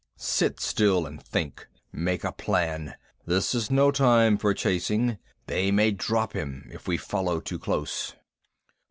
Sit still and think! Make a plan. This is no time for chasing. They may drop him if we follow too close."